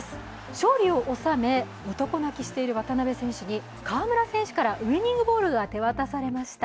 勝利を収め、男泣きしている渡邊選手に河村選手からウイニングボールが手渡されました。